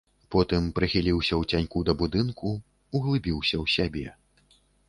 Потым прыхіліўся ў цяньку да будынку, углыбіўся ў сябе.